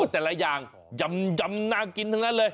แต่ละอย่างยำน่ากินทั้งนั้นเลย